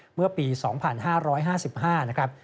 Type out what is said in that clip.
เมื่อปี๒๕๕๕นะครับ